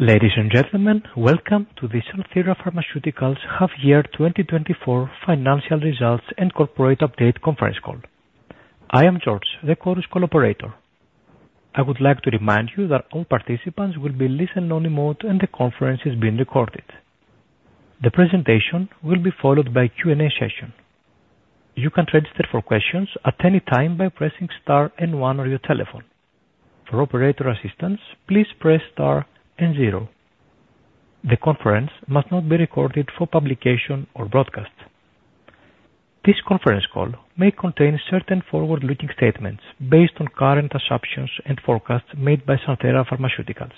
Ladies and gentlemen, welcome to the Santhera Pharmaceuticals half-year 2024 financial results and corporate update conference call. I am George, the Chorus Call operator. I would like to remind you that all participants will be in listen-only mode and the conference is being recorded. The presentation will be followed by a Q&A session. You can register for questions at any time by pressing star and one on your telephone. For operator assistance, please press star and zero. The conference must not be recorded for publication or broadcast. This conference call may contain certain forward-looking statements based on current assumptions and forecasts made by Santhera Pharmaceuticals.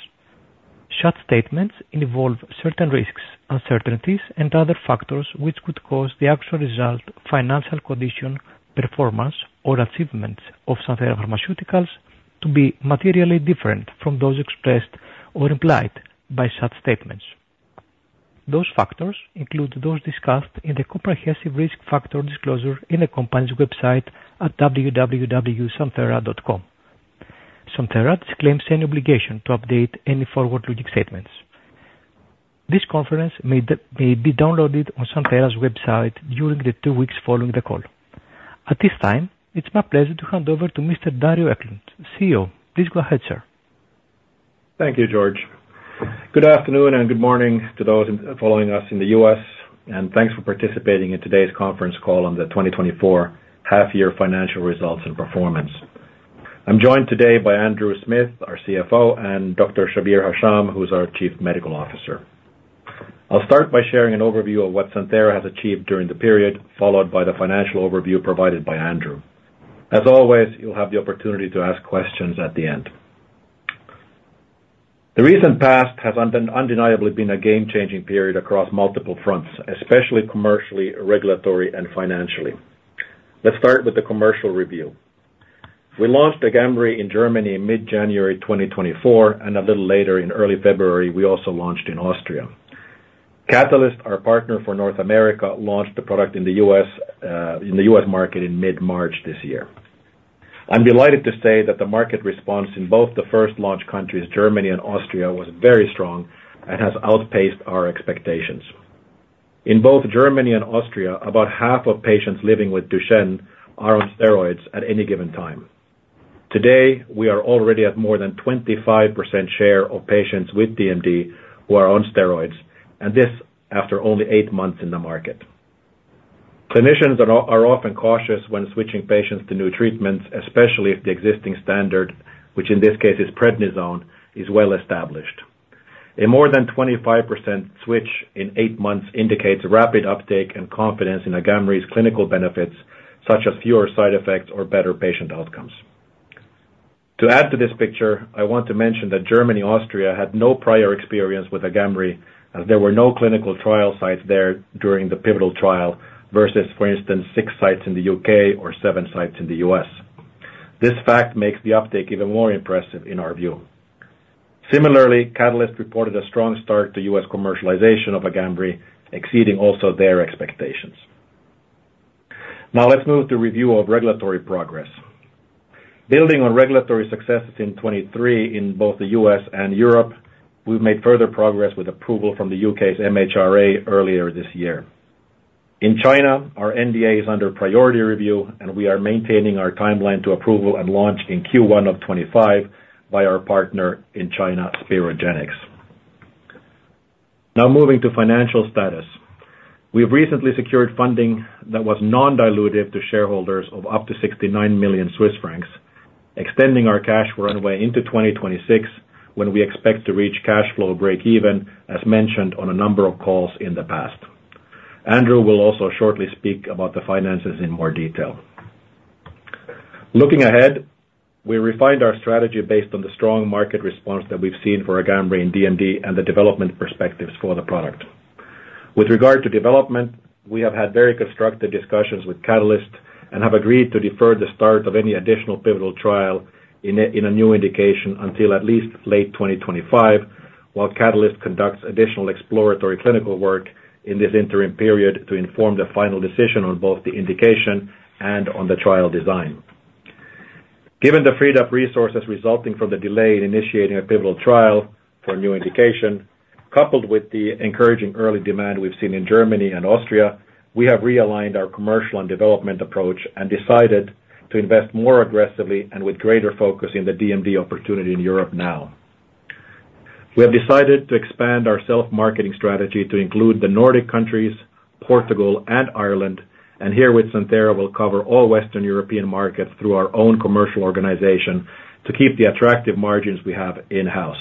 Such statements involve certain risks, uncertainties, and other factors, which could cause the actual result, financial condition, performance, or achievements of Santhera Pharmaceuticals to be materially different from those expressed or implied by such statements. Those factors include those discussed in the comprehensive risk factor disclosure in the company's website at www.santhera.com. Santhera disclaims any obligation to update any forward-looking statements. This conference may be downloaded on Santhera's website during the two weeks following the call. At this time, it's my pleasure to hand over to Mr. Dario Eklund, CEO. Please go ahead, sir. Thank you, George. Good afternoon and good morning to those following us in the U.S., and thanks for participating in today's conference call on the twenty twenty-four half year financial results and performance. I'm joined today by Andrew Smith, our CFO, and Dr. Shabbir Hasham, who's our Chief Medical Officer. I'll start by sharing an overview of what Santhera has achieved during the period, followed by the financial overview provided by Andrew. As always, you'll have the opportunity to ask questions at the end. The recent past has undeniably been a game-changing period across multiple fronts, especially commercially, regulatory, and financially. Let's start with the commercial review. We launched Agamree in Germany in mid-January twenty twenty-four, and a little later in early February, we also launched in Austria. Catalyst, our partner for North America, launched the product in the U.S. market in mid-March this year. I'm delighted to say that the market response in both the first launch countries, Germany and Austria, was very strong and has outpaced our expectations. In both Germany and Austria, about half of patients living with Duchenne are on steroids at any given time. Today, we are already at more than 25% share of patients with DMD who are on steroids, and this after only eight months in the market. Clinicians are often cautious when switching patients to new treatments, especially if the existing standard, which in this case is prednisone, is well-established. A more than 25% switch in eight months indicates a rapid uptake and confidence in Agamree's clinical benefits, such as fewer side effects or better patient outcomes. To add to this picture, I want to mention that Germany, Austria, had no prior experience with Agamree, as there were no clinical trial sites there during the pivotal trial, versus, for instance, six sites in the U.K. or seven sites in the U.S. This fact makes the uptake even more impressive in our view. Similarly, Catalyst reported a strong start to U.S. commercialization of Agamree, exceeding also their expectations. Now, let's move to review of regulatory progress. Building on regulatory successes in 2023 in both the U.S. and Europe, we've made further progress with approval from the U.K.'s MHRA earlier this year. In China, our NDA is under priority review, and we are maintaining our timeline to approval and launch in Q1 of 2025 by our partner in China, Sperogenix. Now moving to financial status. We have recently secured funding that was non-dilutive to shareholders of up to 69 million Swiss francs, extending our cash runway into 2026, when we expect to reach cash flow break even, as mentioned on a number of calls in the past. Andrew will also shortly speak about the finances in more detail. Looking ahead, we refined our strategy based on the strong market response that we've seen for Agamree in DMD and the development perspectives for the product. With regard to development, we have had very constructive discussions with Catalyst and have agreed to defer the start of any additional pivotal trial in a new indication until at least late 2025, while Catalyst conducts additional exploratory clinical work in this interim period to inform the final decision on both the indication and on the trial design. Given the freed-up resources resulting from the delay in initiating a pivotal trial for a new indication, coupled with the encouraging early demand we've seen in Germany and Austria, we have realigned our commercial and development approach and decided to invest more aggressively and with greater focus in the DMD opportunity in Europe now. We have decided to expand our self-marketing strategy to include the Nordic countries, Portugal and Ireland, and here with Santhera, will cover all Western European markets through our own commercial organization to keep the attractive margins we have in-house.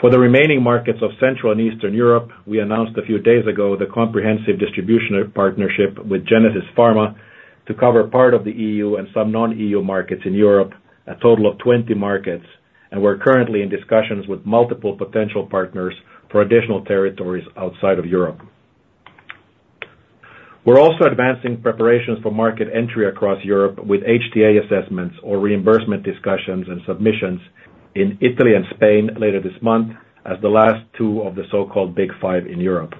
For the remaining markets of Central and Eastern Europe, we announced a few days ago the comprehensive distribution partnership with Genesis Pharma to cover part of the EU and some non-EU markets in Europe, a total of twenty markets, and we're currently in discussions with multiple potential partners for additional territories outside of Europe. We're also advancing preparations for market entry across Europe with HTA assessments or reimbursement discussions and submissions in Italy and Spain later this month as the last two of the so-called Big Five in Europe.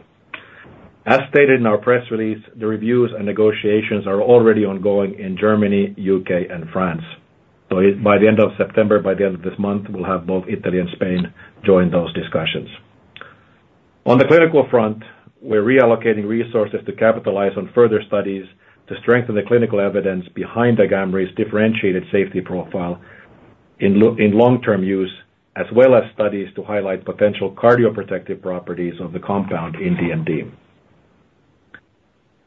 As stated in our press release, the reviews and negotiations are already ongoing in Germany, U.K., and France. So by the end of September, by the end of this month, we'll have both Italy and Spain join those discussions. On the clinical front, we're reallocating resources to capitalize on further studies to strengthen the clinical evidence behind Agamree's differentiated safety profile in long-term use, as well as studies to highlight potential cardioprotective properties of the compound in DMD.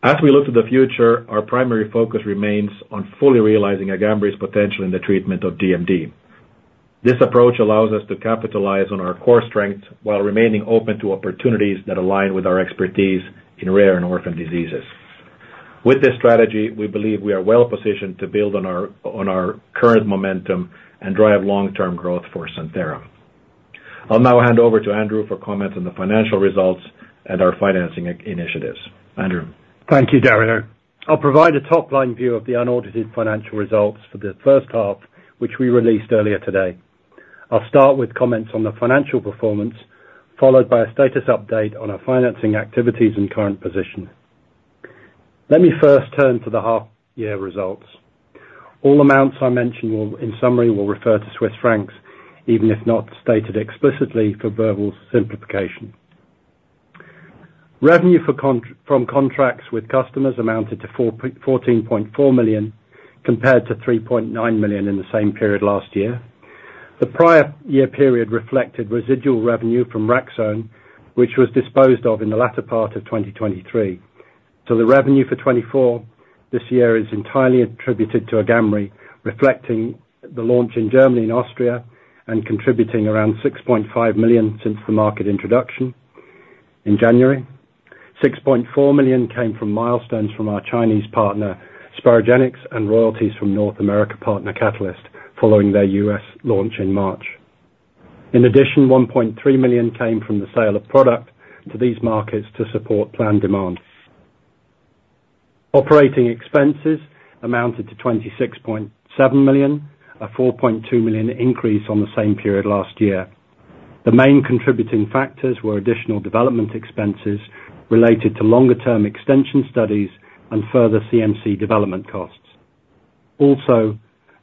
As we look to the future, our primary focus remains on fully realizing Agamree's potential in the treatment of DMD. This approach allows us to capitalize on our core strengths while remaining open to opportunities that align with our expertise in rare and orphan diseases. With this strategy, we believe we are well-positioned to build on our current momentum and drive long-term growth for Santhera. I'll now hand over to Andrew for comments on the financial results and our financing initiatives. Andrew? Thank you, Dario. I'll provide a top-line view of the unaudited financial results for the first half, which we released earlier today. I'll start with comments on the financial performance, followed by a status update on our financing activities and current position. Let me first turn to the half year results. All amounts I mention will, in summary, refer to Swiss francs, even if not stated explicitly for verbal simplification. Revenue from contracts with customers amounted to 14.4 million, compared to 3.9 million in the same period last year. The prior year period reflected residual revenue from Raxone, which was disposed of in the latter part of 2023. So the revenue for 2024 this year is entirely attributed to Agamree, reflecting the launch in Germany and Austria, and contributing around 6.5 million since the market introduction. In January, 6.4 million came from milestones from our Chinese partner, Sperogenix, and royalties from North America partner, Catalyst, following their US launch in March. In addition, 1.3 million came from the sale of product to these markets to support planned demand. Operating expenses amounted to 26.7 million, a 4.2 million increase on the same period last year. The main contributing factors were additional development expenses related to longer-term extension studies and further CMC development costs. Also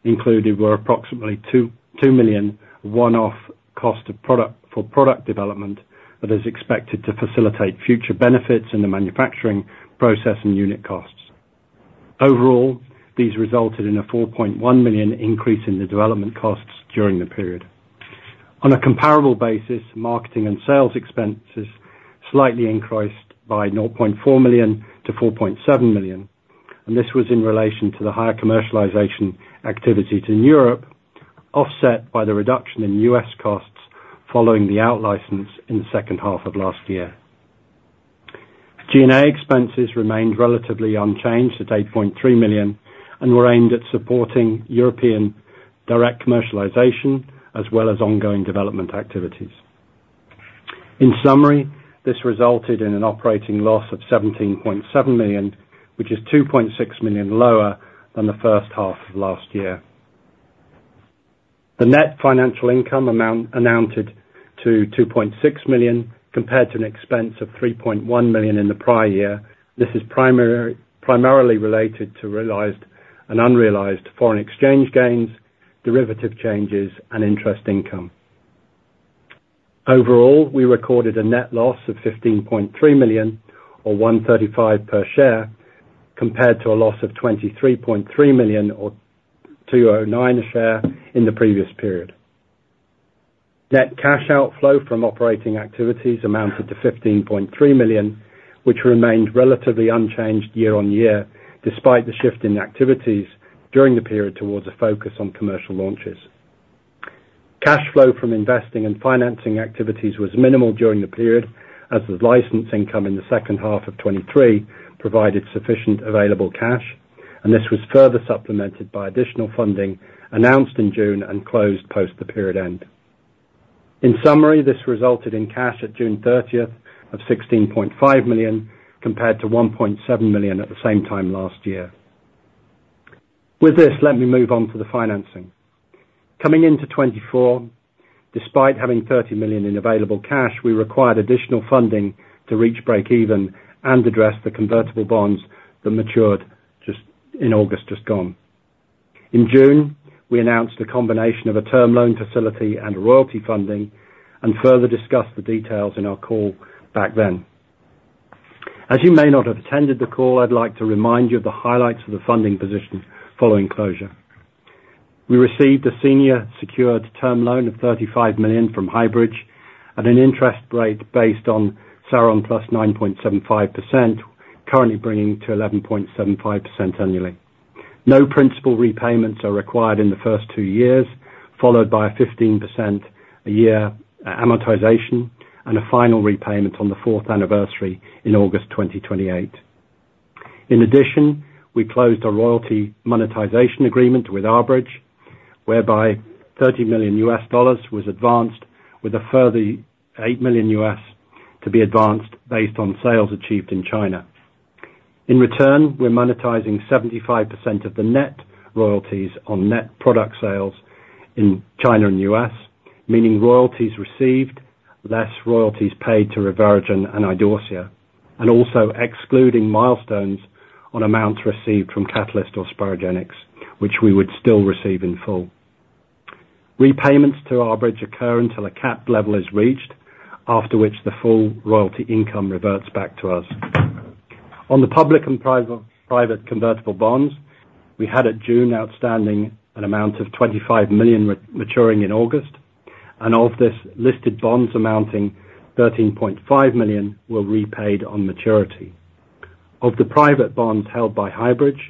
included were approximately 2.2 million one-off cost of product, for product development that is expected to facilitate future benefits in the manufacturing process and unit costs. Overall, these resulted in a 4.1 million increase in the development costs during the period. On a comparable basis, marketing and sales expenses slightly increased by 0.4 million to 4.7 million, and this was in relation to the higher commercialization activities in Europe, offset by the reduction in U.S. costs following the out license in the second half of last year. G&A expenses remained relatively unchanged at 8.3 million and were aimed at supporting European direct commercialization, as well as ongoing development activities. In summary, this resulted in an operating loss of 17.7 million, which is 2.6 million lower than the first half of last year. The net financial income amounted to 2.6 million, compared to an expense of 3.1 million in the prior year. This is primarily related to realized and unrealized foreign exchange gains, derivative changes, and interest income. Overall, we recorded a net loss of 15.3 million, or 1.35 per share, compared to a loss of 23.3 million, or 2.09 per share, in the previous period. Net cash outflow from operating activities amounted to 15.3 million, which remained relatively unchanged year on year, despite the shift in activities during the period towards a focus on commercial launches. Cash flow from investing and financing activities was minimal during the period, as the license income in the second half of 2023 provided sufficient available cash, and this was further supplemented by additional funding announced in June and closed post the period end. In summary, this resulted in cash at June thirtieth of 16.5 million, compared to 1.7 million at the same time last year. With this, let me move on to the financing. Coming into 2024, despite having 30 million in available cash, we required additional funding to reach break even and address the convertible bonds that matured just in August, just gone. In June, we announced a combination of a term loan facility and royalty funding, and further discussed the details in our call back then. As you may not have attended the call, I'd like to remind you of the highlights of the funding position following closure. We received a senior secured term loan of 35 million from Highbridge, at an interest rate based on SARON plus 9.75%, currently bringing to 11.75% annually. No principal repayments are required in the first two years, followed by a 15% a year amortization, and a final repayment on the fourth anniversary in August 2028. In addition, we closed a royalty monetization agreement with R-Bridge, whereby $30 million was advanced with a further $8 million to be advanced based on sales achieved in China. In return, we're monetizing 75% of the net royalties on net product sales in China and US, meaning royalties received, less royalties paid to ReveraGen and Idorsia, and also excluding milestones on amounts received from Catalyst or Sperogenix, which we would still receive in full. Repayments to our bridge occur until a cap level is reached, after which the full royalty income reverts back to us. On the public and private, private convertible bonds, we had at June outstanding an amount of 25 million CHF maturing in August, and of this, listed bonds amounting 13.5 million were repaid on maturity. Of the private bonds held by Highbridge,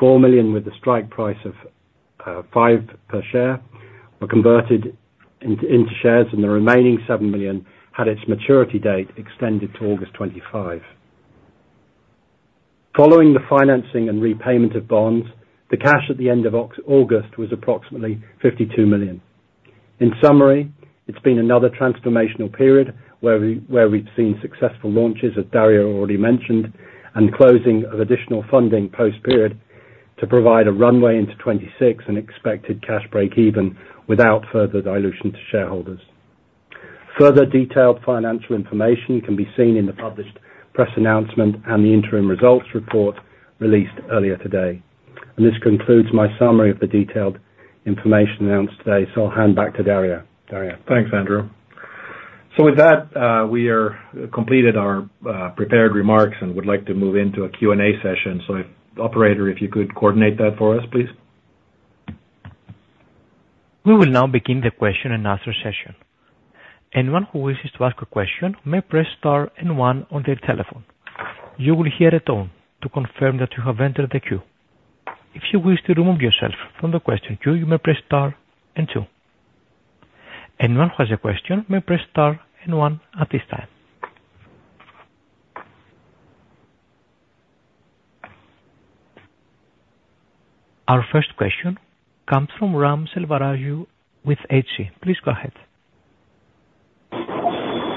4 million, with a strike price of five per share, were converted into shares, and the remaining 7 million had its maturity date extended to August 2025. Following the financing and repayment of bonds, the cash at the end of August was approximately 52 million. In summary, it's been another transformational period where we've seen successful launches, as Dario already mentioned, and closing of additional funding post-period to provide a runway into 2026 and expected cash breakeven without further dilution to shareholders. Further detailed financial information can be seen in the published press announcement and the interim results report released earlier today. And this concludes my summary of the detailed information announced today. So I'll hand back to Dario. Dario? Thanks, Andrew. So with that, we have completed our prepared remarks and would like to move into a Q&A session. So, operator, if you could coordinate that for us, please. We will now begin the question and answer session. Anyone who wishes to ask a question may press star and one on their telephone. You will hear a tone to confirm that you have entered the queue. If you wish to remove yourself from the question queue, you may press star and two. Anyone who has a question may press star and one at this time. Our first question comes from Ram Selvaraju with HC. Please go ahead.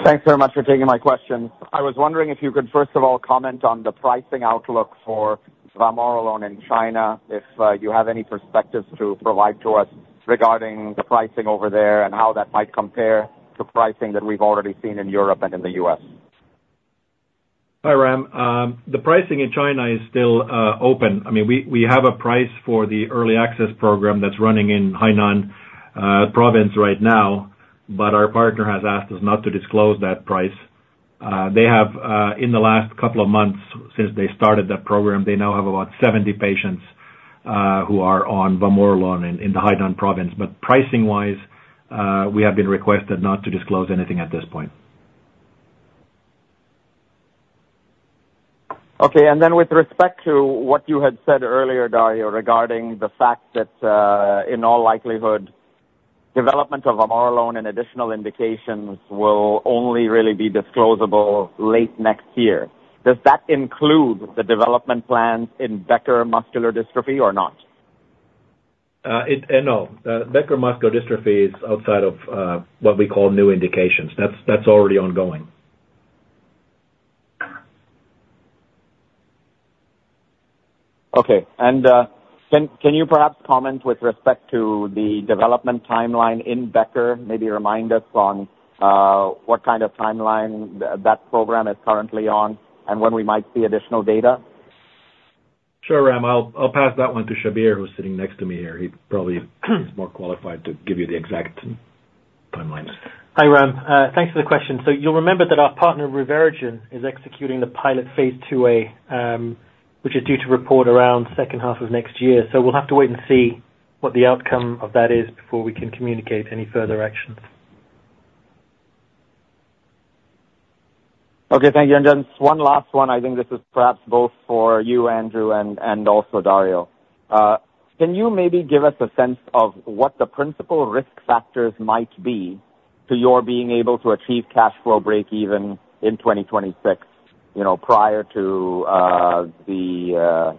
Thanks very much for taking my question. I was wondering if you could first of all, comment on the pricing outlook for vamorolone in China, if you have any perspectives to provide to us regarding the pricing over there and how that might compare to pricing that we've already seen in Europe and in the U.S.? Hi, Ram. The pricing in China is still open. I mean, we have a price for the early access program that's running in Hainan province right now, but our partner has asked us not to disclose that price. They have, in the last couple of months since they started that program, they now have about 70 patients who are on vamorolone in the Hainan province. But pricing-wise, we have been requested not to disclose anything at this point. Okay. And then with respect to what you had said earlier, Dario, regarding the fact that, in all likelihood, development of vamorolone and additional indications will only really be disclosable late next year, does that include the development plans in Becker muscular dystrophy or not? No. Becker muscular dystrophy is outside of what we call new indications. That's already ongoing. Okay. And, can you perhaps comment with respect to the development timeline in Becker? Maybe remind us on what kind of timeline that program is currently on and when we might see additional data? Sure, Ram. I'll pass that one to Shabbir, who's sitting next to me here. He probably is more qualified to give you the exact timelines. Hi, Ram. Thanks for the question. So you'll remember that our partner, ReveraGen, is executing the pilot phase 2a, which is due to report around second half of next year. So we'll have to wait and see what the outcome of that is before we can communicate any further actions. Okay, thank you. And then one last one. I think this is perhaps both for you, Andrew, and also Dario. Can you maybe give us a sense of what the principal risk factors might be to your being able to achieve cash flow breakeven in 2026, you know, prior to the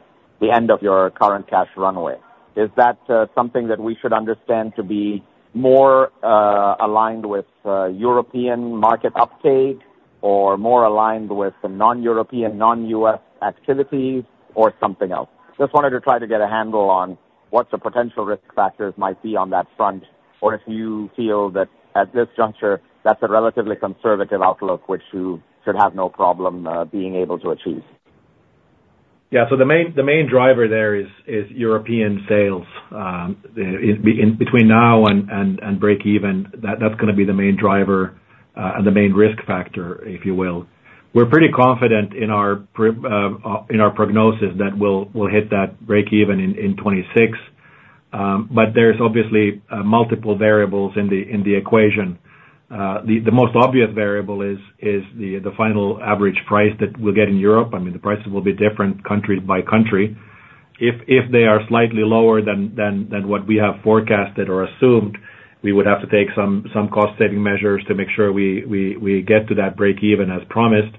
end of your current cash runway? Is that something that we should understand to be more aligned with European market uptake or more aligned with the non-European, non-US activities or something else? Just wanted to try to get a handle on what the potential risk factors might be on that front, or if you feel that at this juncture, that's a relatively conservative outlook, which you should have no problem being able to achieve. Yeah, so the main driver there is European sales. In between now and breakeven, that's gonna be the main driver and the main risk factor, if you will. We're pretty confident in our prognosis that we'll hit that breakeven in 2026, but there's obviously multiple variables in the equation. The most obvious variable is the final average price that we'll get in Europe. I mean, the prices will be different country by country. If they are slightly lower than what we have forecasted or assumed, we would have to take some cost-saving measures to make sure we get to that breakeven as promised.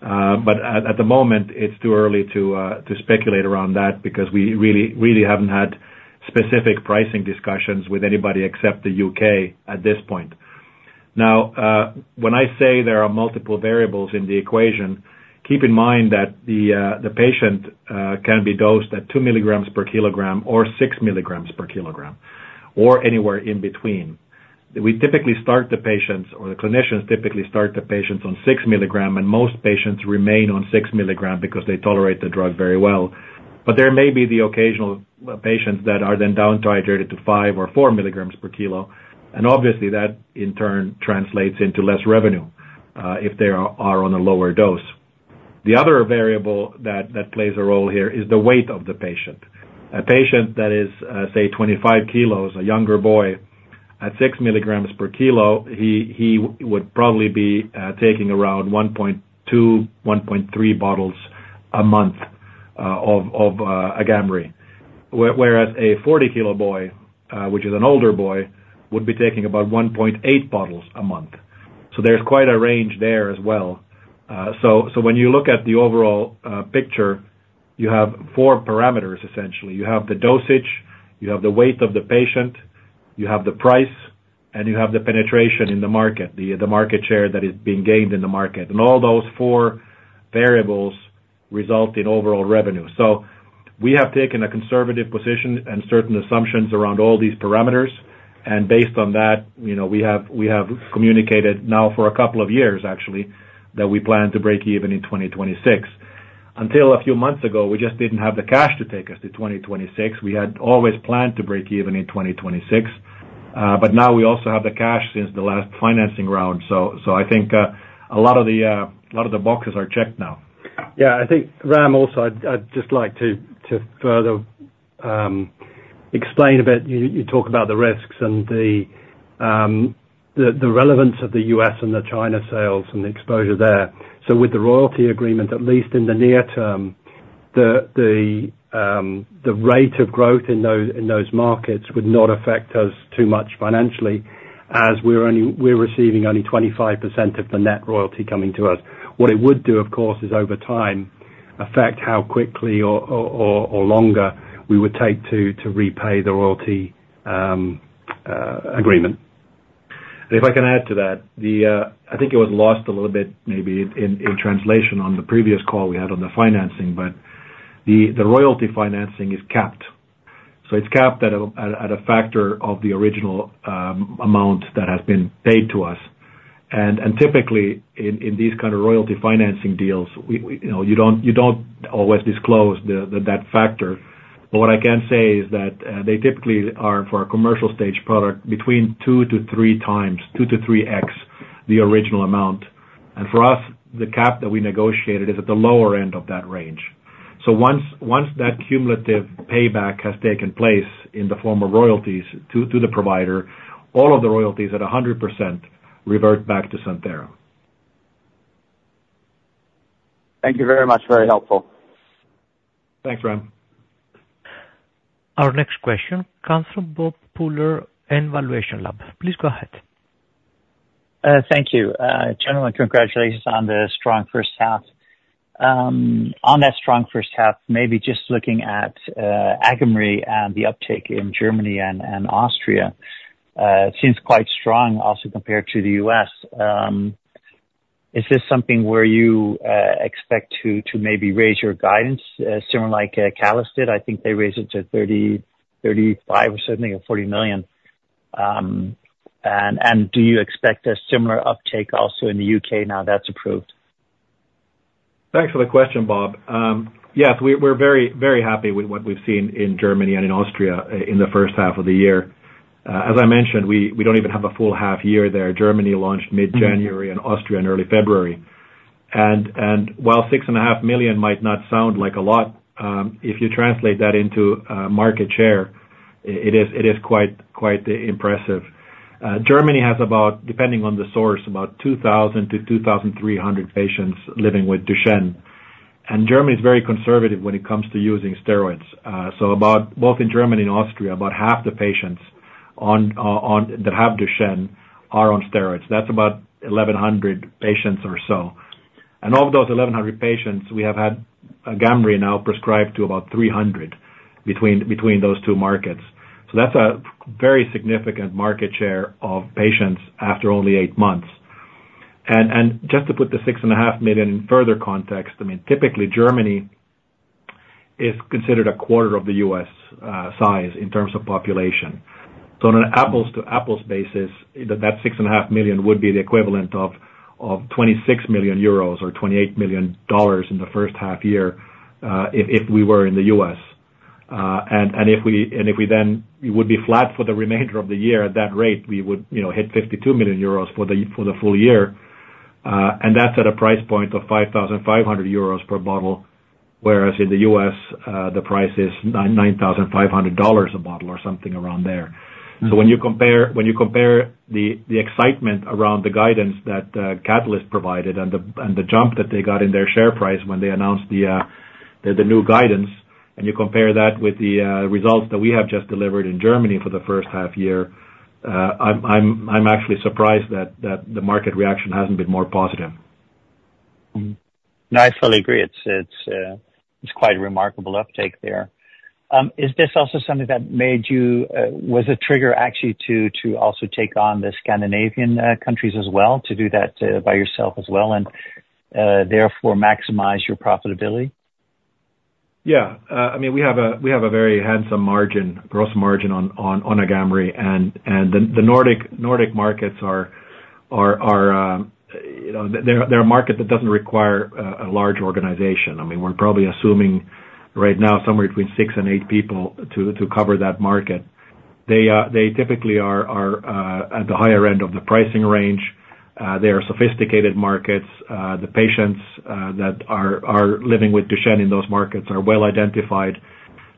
But at the moment, it's too early to speculate around that because we really, really haven't had specific pricing discussions with anybody except the UK at this point. Now, when I say there are multiple variables in the equation, keep in mind that the patient can be dosed at two milligrams per kilogram or six milligrams per kilogram, or anywhere in between. We typically start the patients, or the clinicians typically start the patients on six milligram, and most patients remain on six milligram because they tolerate the drug very well. But there may be the occasional patients that are then down-titrated to five or four milligrams per kilo, and obviously, that in turn translates into less revenue, if they are on a lower dose. The other variable that plays a role here is the weight of the patient. A patient that is, say, 25 kilos, a younger boy at 6 milligrams per kilo, he would probably be taking around 1.2, 1.3 bottles a month of Agamree. Whereas a 40-kilo boy, which is an older boy, would be taking about 1.8 bottles a month. So there's quite a range there as well. So when you look at the overall picture, you have 4 parameters, essentially. You have the dosage, you have the weight of the patient, you have the price, and you have the penetration in the market, the market share that is being gained in the market. And all those 4 variables result in overall revenue. We have taken a conservative position and certain assumptions around all these parameters, and based on that, you know, we have communicated now for a couple of years, actually, that we plan to break even in 2026. Until a few months ago, we just didn't have the cash to take us to 2026. We had always planned to break even in 2026, but now we also have the cash since the last financing round. I think a lot of the boxes are checked now. Yeah, I think, Ram, also, I'd just like to further explain a bit. You talk about the risks and the relevance of the U.S. and the China sales and the exposure there. So with the royalty agreement, at least in the near term, the rate of growth in those markets would not affect us too much financially, as we're receiving only 25% of the net royalty coming to us. What it would do, of course, is over time, affect how quickly or longer we would take to repay the royalty agreement. If I can add to that, I think it was lost a little bit, maybe in translation on the previous call we had on the financing, but the royalty financing is capped. So it's capped at a factor of the original amount that has been paid to us. And typically in these kind of royalty financing deals, you know, you don't always disclose that factor. But what I can say is that they typically are, for a commercial stage product, between two to three times, two to three X, the original amount. And for us, the cap that we negotiated is at the lower end of that range. So once that cumulative payback has taken place in the form of royalties to the provider, all of the royalties at 100% revert back to Santhera. Thank you very much. Very helpful. Thanks, Ram. Our next question comes from Bob Pooler in ValuationLAB. Please go ahead. Thank you. Gentlemen, congratulations on the strong first half. On that strong first half, maybe just looking at Agamree and the uptake in Germany and Austria, it seems quite strong also compared to the U.S. Is this something where you expect to maybe raise your guidance, similar like Catalyst did? I think they raised it to thirty to thirty-five or certainly forty million. And do you expect a similar uptake also in the U.K. now that's approved? Thanks for the question, Bob. Yes, we're very, very happy with what we've seen in Germany and in Austria in the first half of the year. As I mentioned, we don't even have a full half year there. Germany launched mid-January and Austria in early February. While 6.5 million might not sound like a lot, if you translate that into market share, it is quite, quite impressive. Germany has about, depending on the source, 2,000 to 2,300 patients living with Duchenne, and Germany is very conservative when it comes to using steroids. So about, both in Germany and Austria, about half the patients that have Duchenne are on steroids. That's about 1,100 patients or so. Of those 1,100 patients, we have had Agamree now prescribed to about 300 between those two markets. That is a very significant market share of patients after only eight months. Just to put the 6.5 million in further context, I mean, typically Germany is considered a quarter of the U.S. size in terms of population. On an apples-to-apples basis, that 6.5 million would be the equivalent of 26 million euros or EUR $28 million in the first half year, if we were in the U.S. If we then it would be flat for the remainder of the year at that rate, we would, you know, hit 52 million euros for the full year. And that's at a price point of 5,500 euros per bottle, whereas in the U.S., the price is $9,500 a bottle or something around there. So when you compare the excitement around the guidance that Catalyst provided and the jump that they got in their share price when they announced the new guidance, and you compare that with the results that we have just delivered in Germany for the first half year, I'm actually surprised that the market reaction hasn't been more positive.... Mm-hmm. No, I fully agree. It's quite a remarkable uptake there. Is this also something that made you was a trigger actually to also take on the Scandinavian countries as well, to do that by yourself as well, and therefore maximize your profitability? Yeah. I mean, we have a very handsome margin, gross margin on Agamree, and the Nordic markets are, you know, they're a market that doesn't require a large organization. I mean, we're probably assuming right now somewhere between six and eight people to cover that market. They typically are at the higher end of the pricing range. They are sophisticated markets. The patients that are living with Duchenne in those markets are well identified.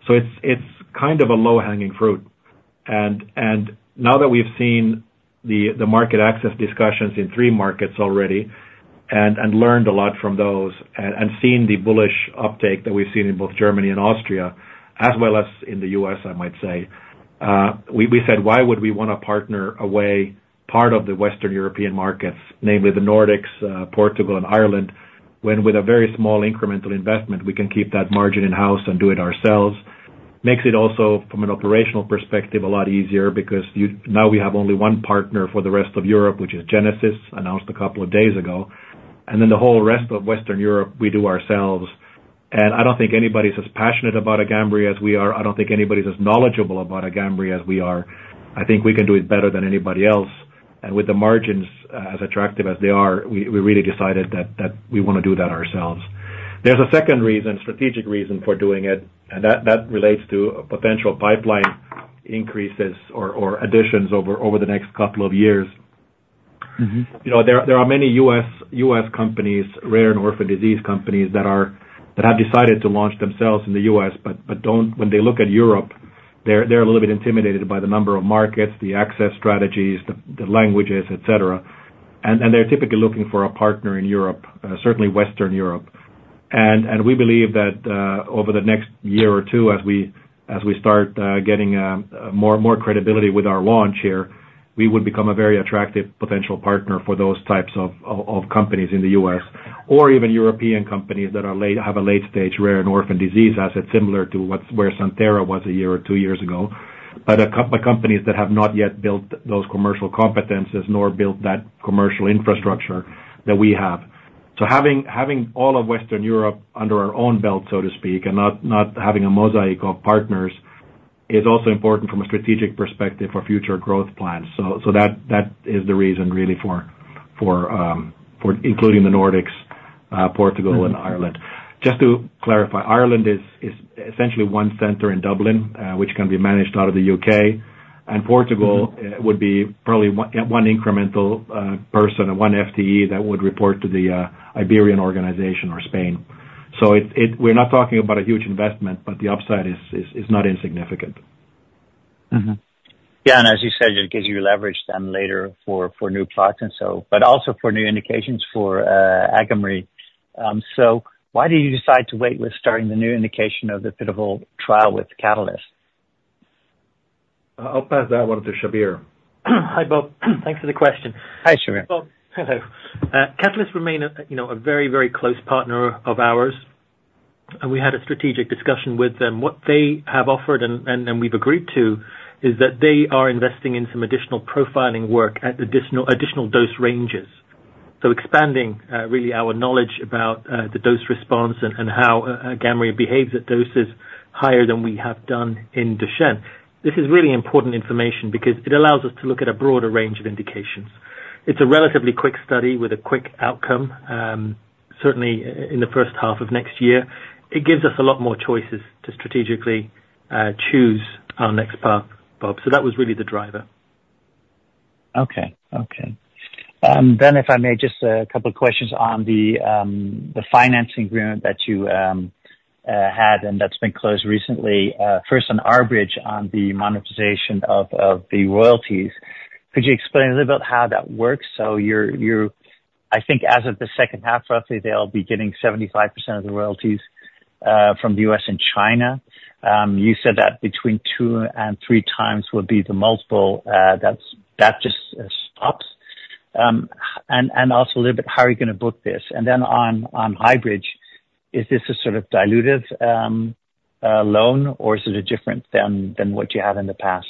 So it's kind of a low-hanging fruit. Now that we've seen the market access discussions in three markets already and learned a lot from those, and seen the bullish uptake that we've seen in both Germany and Austria, as well as in the U.S., I might say, we said, "Why would we wanna partner away part of the Western European markets, namely the Nordics, Portugal and Ireland, when with a very small incremental investment, we can keep that margin in-house and do it ourselves?" It makes it also, from an operational perspective, a lot easier because now we have only one partner for the rest of Europe, which is Genesis, announced a couple of days ago. Then the whole rest of Western Europe, we do ourselves. I don't think anybody's as passionate about Agamree as we are. I don't think anybody's as knowledgeable about Agamree as we are. I think we can do it better than anybody else. And with the margins as attractive as they are, we really decided that we wanna do that ourselves. There's a second reason, strategic reason for doing it, and that relates to potential pipeline increases or additions over the next couple of years. Mm-hmm. You know, there are many US companies, rare and orphan disease companies, that have decided to launch themselves in the US, but don't. When they look at Europe, they're a little bit intimidated by the number of markets, the access strategies, the languages, et cetera. And we believe that over the next year or two, as we start getting more credibility with our launch here, we would become a very attractive potential partner for those types of companies in the US, or even European companies that are late, have a late-stage rare and orphan disease asset, similar to where Santhera was a year or two years ago. But by companies that have not yet built those commercial competencies nor built that commercial infrastructure that we have. So having all of Western Europe under our own belt, so to speak, and not having a mosaic of partners, is also important from a strategic perspective for future growth plans. So that is the reason really for including the Nordics, Portugal and Ireland. Just to clarify, Ireland is essentially one center in Dublin, which can be managed out of the UK. And Portugal would be probably one incremental person, or one FTE that would report to the Iberian organization or Spain. So it. We're not talking about a huge investment, but the upside is not insignificant. Mm-hmm. Yeah, and as you said, it gives you leverage then later for new products and so. But also for new indications for Agamree. So why did you decide to wait with starting the new indication of the pivotal trial with Catalyst? I'll pass that one to Shabbir. Hi, Bob. Thanks for the question. Hi, Shabbir. Hello. Catalyst remains a, you know, a very, very close partner of ours, and we had a strategic discussion with them. What they have offered and we've agreed to is that they are investing in some additional profiling work at additional dose ranges. So expanding really our knowledge about the dose response and how Agamree behaves at doses higher than we have done in Duchenne. This is really important information because it allows us to look at a broader range of indications. It's a relatively quick study with a quick outcome, certainly in the first half of next year. It gives us a lot more choices to strategically choose our next path, Bob. So that was really the driver. Okay. Then if I may, just a couple of questions on the financing agreement that you had and that's been closed recently. First, on R-Bridge, on the monetization of the royalties, could you explain a little about how that works? So you're, I think as of the second half, roughly, they'll be getting 75% of the royalties from the U.S. and China. You said that between two and three times would be the multiple, that's just stops. And also a little bit, how are you gonna book this? And then on Highbridge, is this a sort of dilutive loan, or is it different than what you had in the past?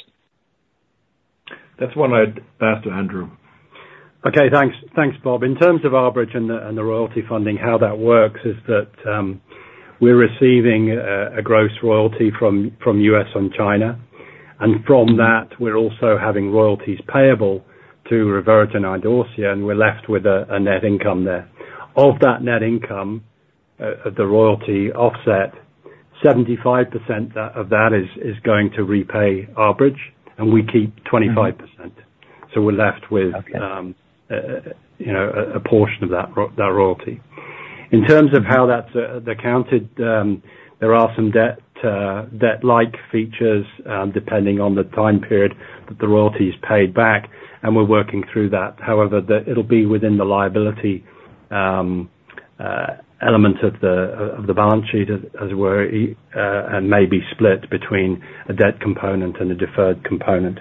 That's one I'd pass to Andrew. Okay, thanks, Bob. In terms of R-Bridge and the royalty funding, how that works is that we're receiving a gross royalty from US and China. And from that, we're also having royalties payable to ReveraGen and Idorsia, and we're left with a net income there. Of that net income, the royalty offset, 75% of that is going to repay R-Bridge, and we keep 25%. Mm-hmm. We're left with- Okay... you know, a portion of that royalty. In terms of how that's accounted, there are some debt-like features, depending on the time period that the royalty is paid back, and we're working through that. However, it'll be within the liability element of the balance sheet, as it were, and may be split between a debt component and a deferred component....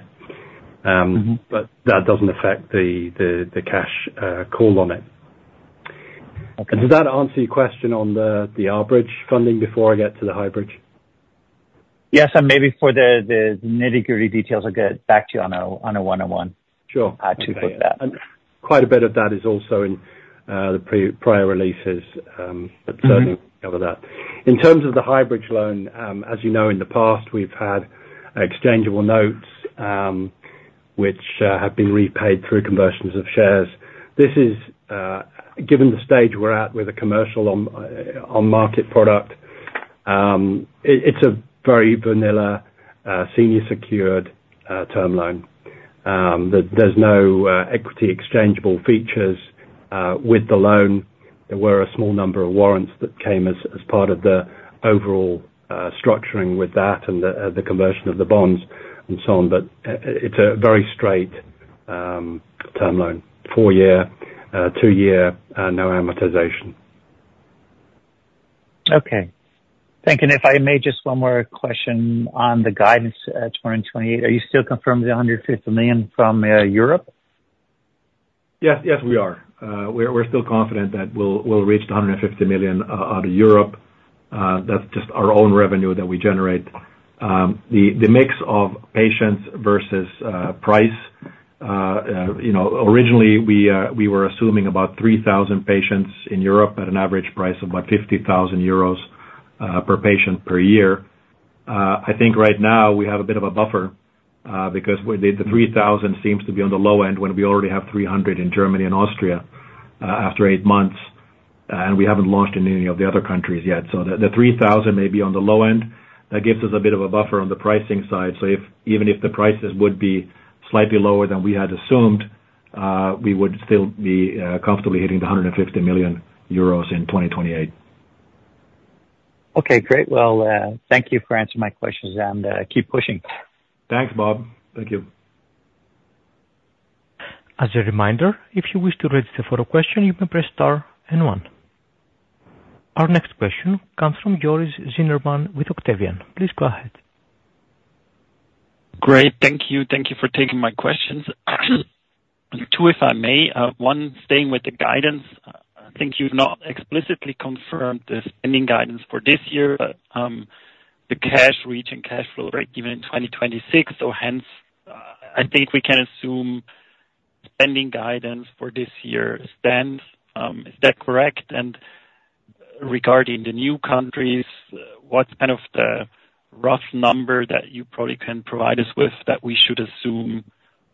but that doesn't affect the cash call on it. Okay. Does that answer your question on the R-Bridge funding before I get to the Highbridge? Yes, and maybe for the nitty-gritty details, I'll get back to you on a one-on-one. Sure. To put that. And quite a bit of that is also in the prior releases, but certainly over that. In terms of the Highbridge loan, as you know, in the past, we've had exchangeable notes, which have been repaid through conversions of shares. This is, given the stage we're at with a commercial on-market product, it's a very vanilla senior secured term loan. There's no equity exchangeable features with the loan. There were a small number of warrants that came as part of the overall structuring with that and the conversion of the bonds and so on, but it's a very straight term loan, four-year, two-year, no amortization. Okay. Thank you. And if I may, just one more question on the guidance, 2028. Are you still confirming the 150 million from Europe? Yes. Yes, we are. We're still confident that we'll reach the 150 million out of Europe. That's just our own revenue that we generate. The mix of patients versus price, you know, originally, we were assuming about 3,000 patients in Europe at an average price of about 50,000 euros per patient per year. I think right now we have a bit of a buffer because the 3,000 seems to be on the low end, when we already have 300 in Germany and Austria after 8 months, and we haven't launched in any of the other countries yet. So the 3,000 may be on the low end. That gives us a bit of a buffer on the pricing side. Even if the prices would be slightly lower than we had assumed, we would still be comfortably hitting 150 million euros in 2028. Okay, great. Well, thank you for answering my questions, and keep pushing. Thanks, Bob. Thank you. As a reminder, if you wish to register for a question, you may press star and one. Our next question comes from Joris Zimmermann with Octavian. Please go ahead. Great, thank you. Thank you for taking my questions. Two, if I may. One, staying with the guidance, I think you've not explicitly confirmed the spending guidance for this year, but, the cash reach and cash flow break-even in 2026, so hence, I think we can assume spending guidance for this year stands. Is that correct? And regarding the new countries, what's kind of the rough number that you probably can provide us with, that we should assume,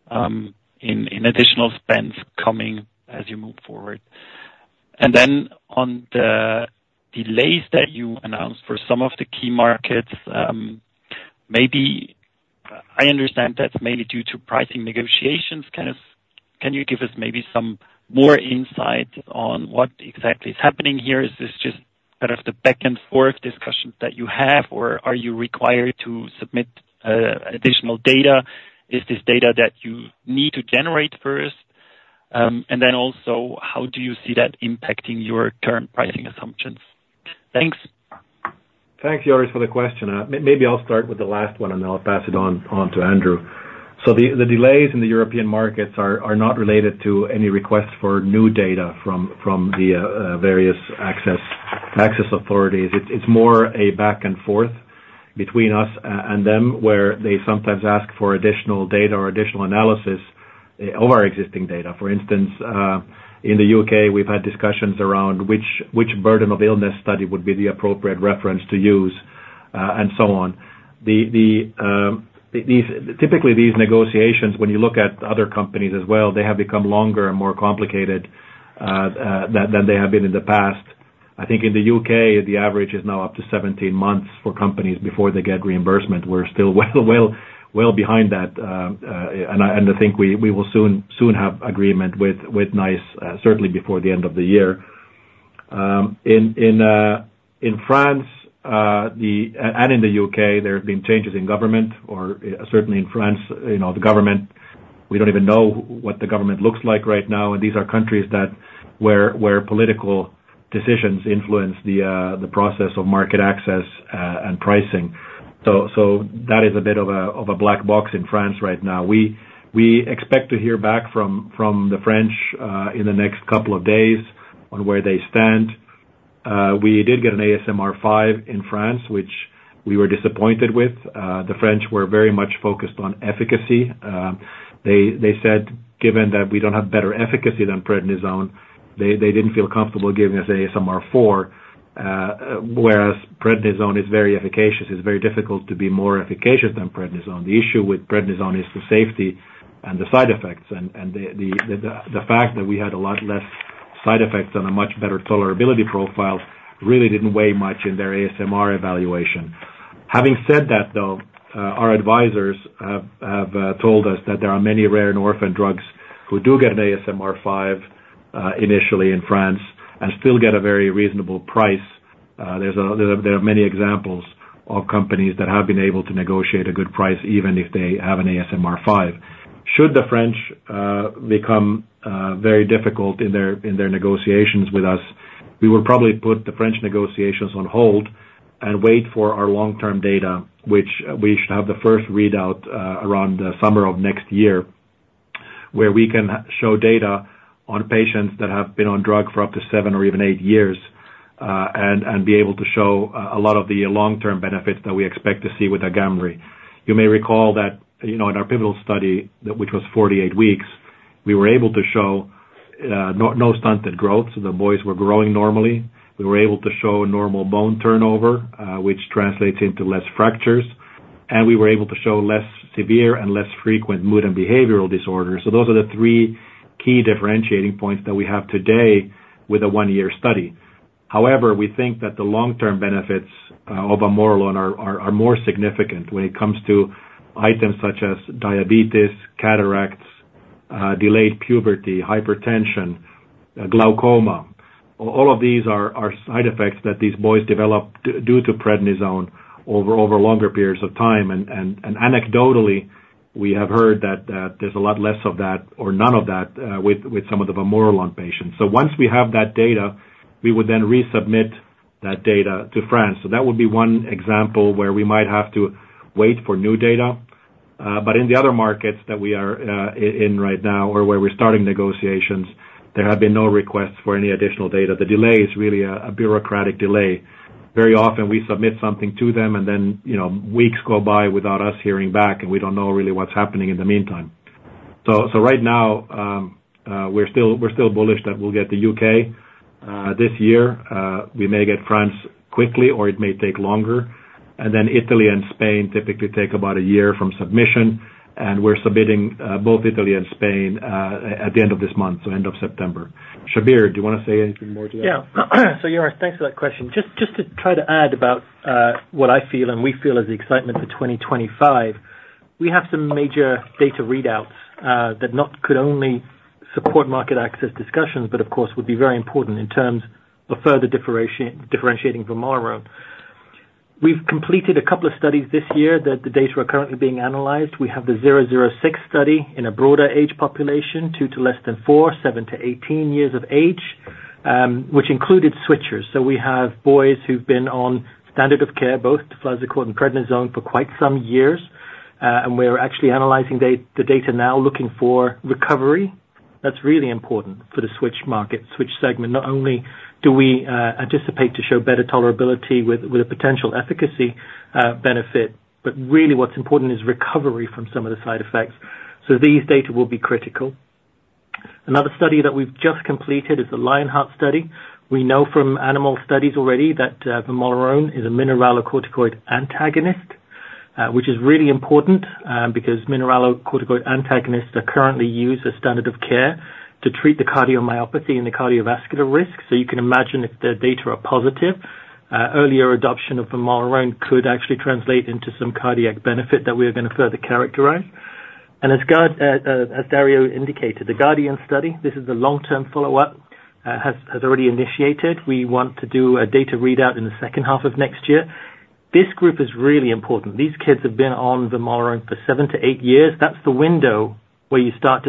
in additional spends coming as you move forward? And then on the delays that you announced for some of the key markets, maybe I understand that's mainly due to pricing negotiations. Can you give us maybe some more insight on what exactly is happening here? Is this just kind of the back and forth discussions that you have, or are you required to submit additional data? Is this data that you need to generate first? And then also, how do you see that impacting your term pricing assumptions? Thanks. Thanks, Joris, for the question. Maybe I'll start with the last one, and then I'll pass it on to Andrew. So the delays in the European markets are not related to any requests for new data from the various access authorities. It's more a back and forth between us and them, where they sometimes ask for additional data or additional analysis of our existing data. For instance, in the UK, we've had discussions around which burden of illness study would be the appropriate reference to use, and so on. Typically, these negotiations, when you look at other companies as well, they have become longer and more complicated than they have been in the past. I think in the UK, the average is now up to 17 months for companies before they get reimbursement. We're still well behind that, and I think we will soon have agreement with NICE, certainly before the end of the year. In France and in the UK, there have been changes in government, certainly in France, you know, the government. We don't even know what the government looks like right now, and these are countries where political decisions influence the process of market access and pricing. So that is a bit of a black box in France right now. We expect to hear back from the French in the next couple of days on where they stand. We did get an ASMR five in France, which we were disappointed with. The French were very much focused on efficacy. They said, given that we don't have better efficacy than prednisone, they didn't feel comfortable giving us ASMR four, whereas prednisone is very efficacious. It's very difficult to be more efficacious than prednisone. The issue with prednisone is the safety and the side effects, and the fact that we had a lot less side effects and a much better tolerability profile really didn't weigh much in their ASMR evaluation. Having said that, though, our advisors have told us that there are many rare and orphan drugs who do get an ASMR five, initially in France, and still get a very reasonable price. There are many examples of companies that have been able to negotiate a good price, even if they have an ASMR five. Should the French become very difficult in their negotiations with us?... we will probably put the French negotiations on hold and wait for our long-term data, which we should have the first readout around the summer of next year, where we can show data on patients that have been on drug for up to seven or even eight years and be able to show a lot of the long-term benefits that we expect to see with Agamree. You may recall that, you know, in our pivotal study, which was forty-eight weeks, we were able to show no stunted growth. So the boys were growing normally. We were able to show normal bone turnover, which translates into less fractures, and we were able to show less severe and less frequent mood and behavioral disorders, so those are the three key differentiating points that we have today with a one-year study. However, we think that the long-term benefits of vamorolone are more significant when it comes to items such as diabetes, cataracts, delayed puberty, hypertension, glaucoma. All of these are side effects that these boys develop due to prednisone over longer periods of time, and anecdotally, we have heard that there's a lot less of that or none of that with some of the vamorolone patients, so once we have that data, we would then resubmit that data to France, so that would be one example where we might have to wait for new data. But in the other markets that we are in right now or where we're starting negotiations, there have been no requests for any additional data. The delay is really a bureaucratic delay. Very often, we submit something to them and then, you know, weeks go by without us hearing back, and we don't know really what's happening in the meantime. So right now, we're still bullish that we'll get the UK this year. We may get France quickly, or it may take longer. And then Italy and Spain typically take about a year from submission, and we're submitting both Italy and Spain at the end of this month, so end of September. Shabbir, do you wanna say anything more to that? Yeah. So Joris, thanks for that question. Just to try to add about what I feel and we feel as the excitement for twenty twenty-five, we have some major data readouts that not could only support market access discussions, but of course, would be very important in terms of further differentiating vamorolone. We've completed a couple of studies this year that the data are currently being analyzed. We have the 006 study in a broader age population, two to less than four, seven to 18 years of age, which included switchers. So we have boys who've been on standard of care, both fluticasone and prednisone, for quite some years. And we're actually analyzing the data now, looking for recovery. That's really important for the switch market, switch segment. Not only do we anticipate to show better tolerability with a potential efficacy benefit, but really what's important is recovery from some of the side effects. So these data will be critical. Another study that we've just completed is the LION-HEART study. We know from animal studies already that vamorolone is a mineralocorticoid antagonist, which is really important, because mineralocorticoid antagonists are currently used as standard of care to treat the cardiomyopathy and the cardiovascular risk. So you can imagine if the data are positive, earlier adoption of vamorolone could actually translate into some cardiac benefit that we are going to further characterize. And as Dario indicated, the GUARDIAN study, this is a long-term follow-up, has already initiated. We want to do a data readout in the second half of next year. This group is really important. LION-HEART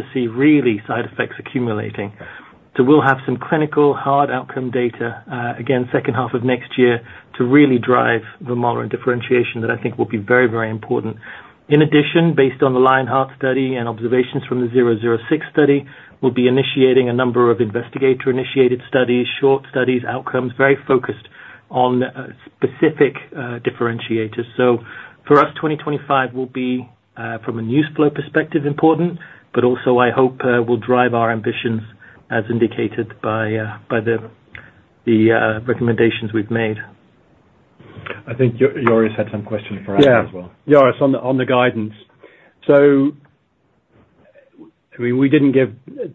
study and observations from the Study 006, we'll be initiating a number of investigator-initiated studies, short studies, outcomes, very focused on specific differentiators for us, twenty twenty-five will be from a news flow perspective important, but also I hope will drive our ambitions as indicated by the recommendations we've made. I think Joris had some questions for us as well. Yeah, Joris, on the guidance. So, I mean, we didn't give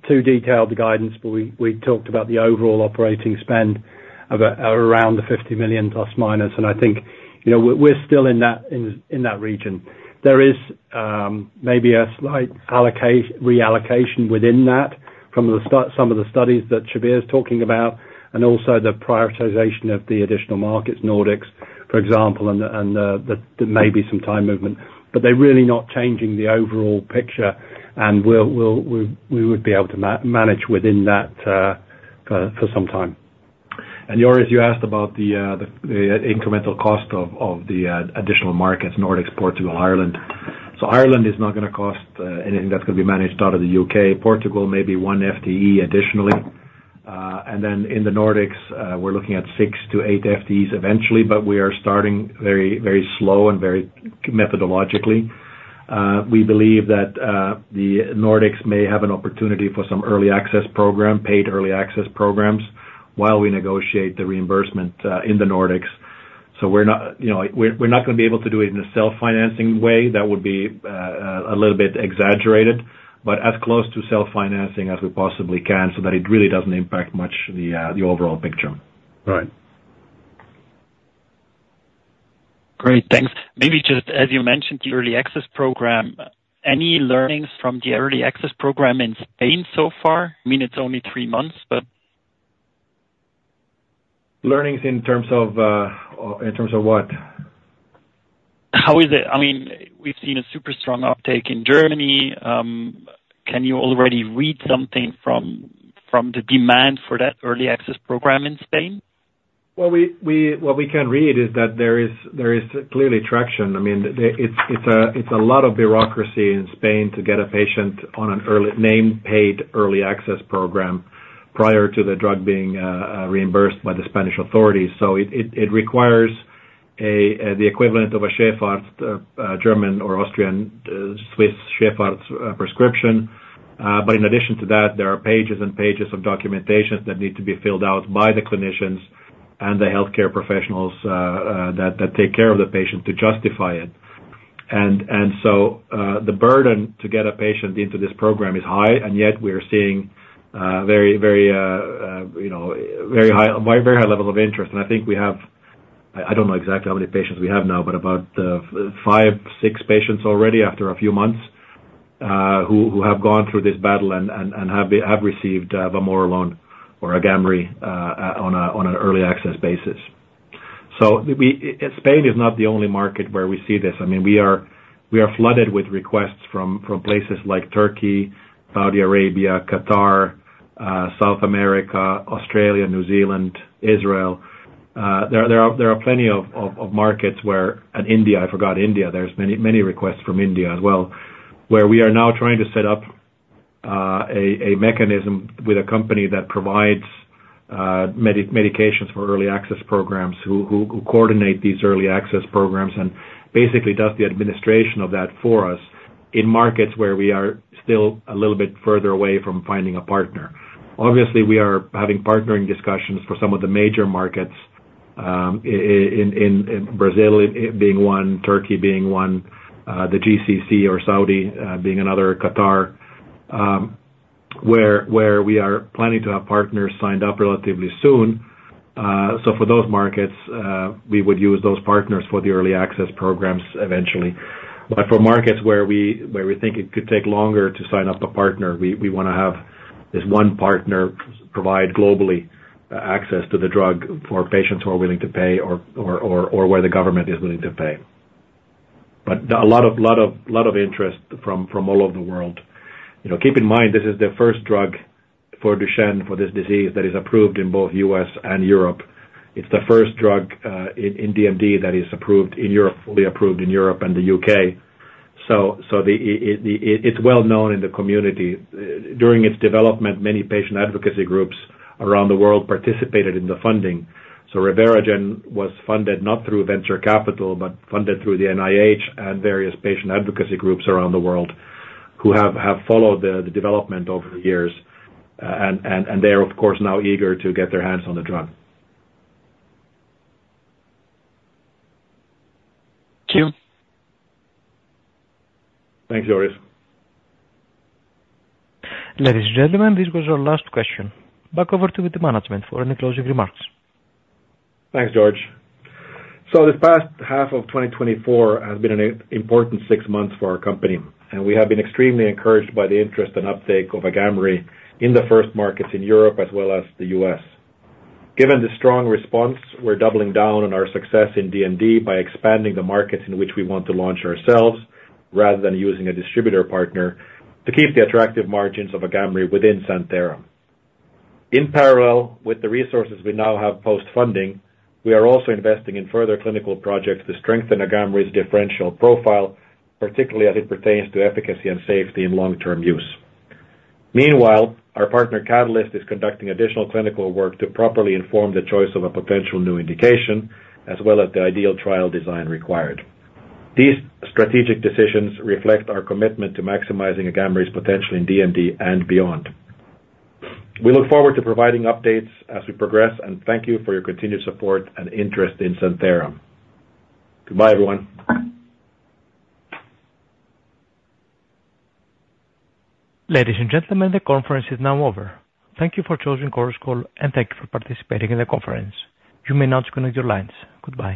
too detailed guidance, but we talked about the overall operating spend of around 50 million plus or minus, and I think, you know, we're still in that region. There is maybe a slight reallocation within that from some of the studies that Shabbir is talking about, and also the prioritization of the additional markets, Nordics, for example, and there may be some time movement, but they're really not changing the overall picture, and we'll be able to manage within that for some time. And Joris, you asked about the incremental cost of the additional markets, Nordics, Portugal, Ireland. So Ireland is not gonna cost anything that's going to be managed out of the UK. Portugal may be one FTE additionally. And then in the Nordics, we're looking at six to eight FTEs eventually, but we are starting very, very slow and very methodologically. We believe that the Nordics may have an opportunity for some early access program, paid early access programs, while we negotiate the reimbursement in the Nordics. So we're not, you know, we're not gonna be able to do it in a self-financing way. That would be a little bit exaggerated, but as close to self-financing as we possibly can, so that it really doesn't impact much the overall picture. Right. Great, thanks. Maybe just as you mentioned, the early access program, any learnings from the early access program in Spain so far? I mean, it's only three months, but... Learnings in terms of what?... How is it, I mean, we've seen a super strong uptake in Germany. Can you already read something from the demand for that early access program in Spain? What we can read is that there is clearly traction. I mean, it's a lot of bureaucracy in Spain to get a patient on a named patient early access program prior to the drug being reimbursed by the Spanish authorities, so it requires the equivalent of a German or Austrian or Swiss Che prescription, but in addition to that, there are pages and pages of documentation that need to be filled out by the clinicians and the healthcare professionals that take care of the patient to justify it, and so the burden to get a patient into this program is high, and yet we are seeing, you know, very high level of interest. And I think we have. I don't know exactly how many patients we have now, but about five, six patients already, after a few months, who have gone through this battle and have received vamorolone or Agamree on an early access basis. So Spain is not the only market where we see this. I mean, we are flooded with requests from places like Turkey, Saudi Arabia, Qatar, South America, Australia, New Zealand, Israel. There are plenty of markets where... And India, I forgot India. There's many, many requests from India as well, where we are now trying to set up a mechanism with a company that provides medications for early access programs, who coordinate these early access programs and basically does the administration of that for us in markets where we are still a little bit further away from finding a partner. Obviously, we are having partnering discussions for some of the major markets, in Brazil being one, Turkey being one, the GCC or Saudi being another, Qatar, where we are planning to have partners signed up relatively soon. So for those markets, we would use those partners for the early access programs eventually. But for markets where we think it could take longer to sign up a partner, we wanna have this one partner provide globally access to the drug for patients who are willing to pay or where the government is willing to pay. But a lot of interest from all over the world. You know, keep in mind, this is the first drug for Duchenne, for this disease, that is approved in both U.S. and Europe. It's the first drug in DMD that is approved in Europe, fully approved in Europe and the U.K. So, it's well known in the community. During its development, many patient advocacy groups around the world participated in the funding. ReveraGen was funded not through venture capital, but funded through the NIH and various patient advocacy groups around the world, who have followed the development over the years. And they are, of course, now eager to get their hands on the drug. Thank you. Thanks, Joris. Ladies and gentlemen, this was our last question. Back over to you with the management for any closing remarks. Thanks, George. So this past half of 2024 has been an important six months for our company, and we have been extremely encouraged by the interest and uptake of Agamree in the first markets in Europe as well as the U.S. Given the strong response, we're doubling down on our success in DMD by expanding the markets in which we want to launch ourselves, rather than using a distributor partner, to keep the attractive margins of Agamree within Santhera. In parallel, with the resources we now have post-funding, we are also investing in further clinical projects to strengthen Agamree's differential profile, particularly as it pertains to efficacy and safety in long-term use. Meanwhile, our partner, Catalyst, is conducting additional clinical work to properly inform the choice of a potential new indication, as well as the ideal trial design required. These strategic decisions reflect our commitment to maximizing Agamree's potential in DMD and beyond. We look forward to providing updates as we progress, and thank you for your continued support and interest in Santhera. Goodbye, everyone. Ladies and gentlemen, the conference is now over. Thank you for choosing Chorus Call, and thank you for participating in the conference. You may now disconnect your lines. Goodbye.